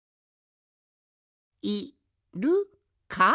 「いるか」？